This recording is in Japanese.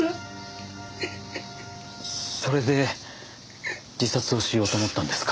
それで自殺をしようと思ったんですか？